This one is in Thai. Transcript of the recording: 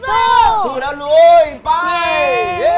ซื้อซื้อแล้วรวยไป